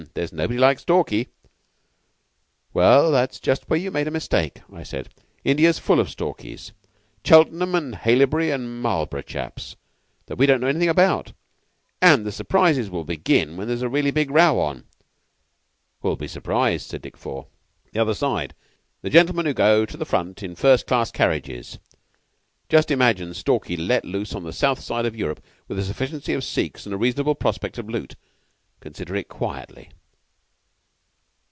There's nobody like Stalky." "That's just where you make the mistake," I said. "India's full of Stalkies Cheltenham and Haileybury and Marlborough chaps that we don't know anything about, and the surprises will begin when there is really a big row on." "Who will be surprised?" said Dick Four. "The other side. The gentlemen who go to the front in first class carriages. Just imagine Stalky let loose on the south side of Europe with a sufficiency of Sikhs and a reasonable prospect of loot. Consider it quietly."